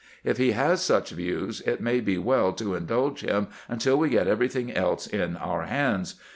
If he has such views, it may be well to indulge him until we get everything else in our hands.